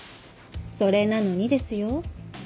それなのにですよ？